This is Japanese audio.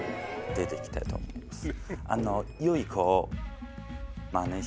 出て来たいと思います。